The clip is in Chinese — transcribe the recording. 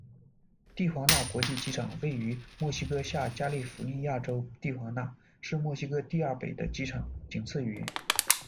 蒂华纳国际机场位于墨西哥下加利福尼亚州蒂华纳，是墨西哥第二北的机场，仅次于。